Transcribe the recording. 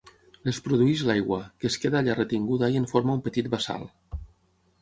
Les produeix l'aigua, que es queda allà retinguda i en forma un petit bassal.